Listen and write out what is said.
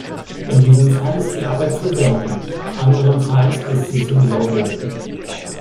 In diesem Fall ist die Arbeit zu werten, andernfalls ist sie zu wiederholen.